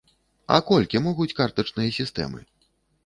А колькі могуць картачныя сістэмы?